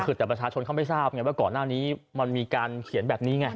คือแต่ประชาชนเขาไม่ทราบไงว่าก่อนหน้านี้มันมีการเขียนแบบนี้ไง